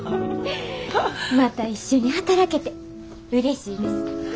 また一緒に働けてうれしいです。